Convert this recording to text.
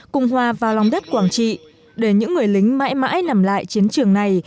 cùng hòa vào lòng đất quảng trị để những người lính mãi mãi nằm lại chiến trường này